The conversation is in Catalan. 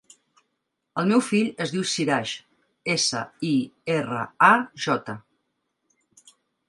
El meu fill es diu Siraj: essa, i, erra, a, jota.